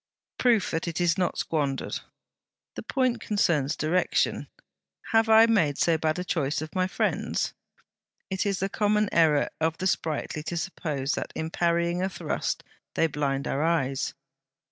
'Proof that it is not squandered.' 'The point concerns direction.' 'Have I made so bad a choice of my friends?' 'It is the common error of the sprightly to suppose that in parrying a thrust they blind our eyes.'